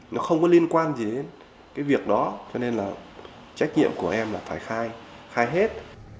nó không có liên quan gì đến cái việc đó cho nên là trách nhiệm của em là phải khai khai hết